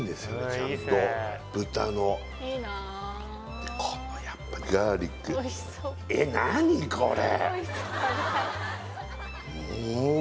ちゃんと豚のこのやっぱガーリックえっ何これ！？